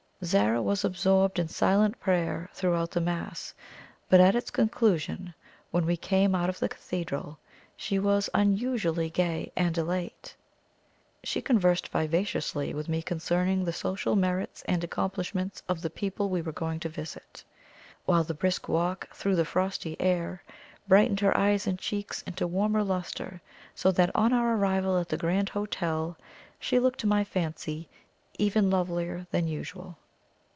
Zara was absorbed in silent prayer throughout the Mass; but at its conclusion, when we came out of the cathedral, she was unusually gay and elate. She conversed vivaciously with me concerning the social merits and accomplishments of the people we were going to visit; while the brisk walk through the frosty air brightened her eyes and cheeks into warmer lustre, so that on our arrival at the Grand Hotel she looked to my fancy even lovelier than usual.